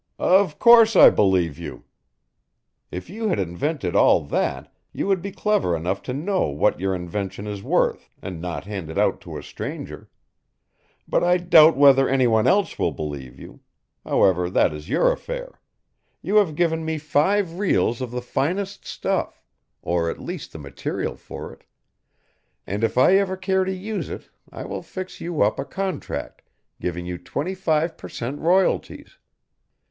"Of course I believe you. If you had invented all that you would be clever enough to know what your invention is worth and not hand it out to a stranger. But I doubt whether anyone else will believe you however, that is your affair you have given me five reels of the finest stuff, or at least the material for it, and if I ever care to use it I will fix you up a contract giving you twenty five per cent royalties.